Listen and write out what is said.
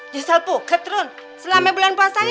jisil puket run selama bulan puasanya